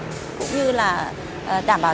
cũng như là đảm bảo